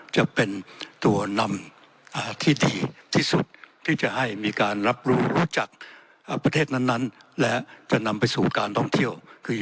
จะเป็นตัวนำที่ดีที่สุดที่จะให้มีการรับรู้รู้จักประเทศนั้นและจะนำไปสู่การท่องเที่ยวคือ